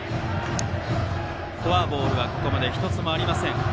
フォアボールはここまで１つもありません。